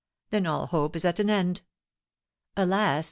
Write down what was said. Then all hope is at an end! Alas!